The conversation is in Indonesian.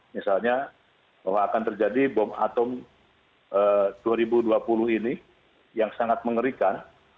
misalnya bahwa akan terjadi bom atom dua ribu dua puluh ini yang sangat mengerikan